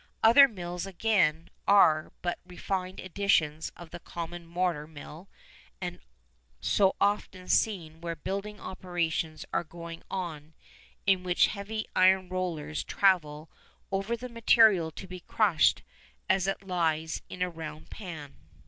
Other mills, again, are but refined editions of the common mortar mill so often seen where building operations are going on, in which heavy iron rollers travel over the material to be crushed as it lies in a round pan.